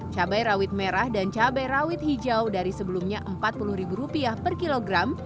cabai rawit merah dan cabai rawit hijau dari sebelumnya rp empat puluh per kilogram